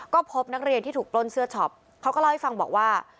ก็พบนักเรียนที่ถูกปล้นเสื้อช็อปเขาก็เล่าให้ฟังบอกว่า